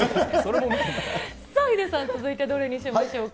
さあヒデさん、続いてどれにしましょうか？